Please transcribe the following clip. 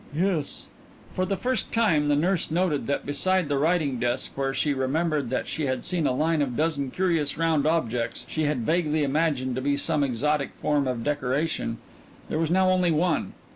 "Yes." For the first time the nurse noted that beside the writing desk where she remembered that she had seen a line of a dozen curious round objects she had vaguely imagined to be some exotic form of decoration, there was now only one.